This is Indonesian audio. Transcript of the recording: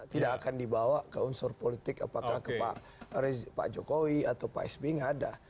tidak akan dibawa ke unsur politik apakah ke pak jokowi atau pak sby nggak ada